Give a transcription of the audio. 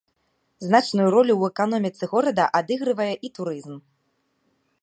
Значную ролю ў эканоміцы горада адыгрывае і турызм.